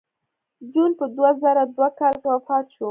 جون په دوه زره دوه کال کې وفات شو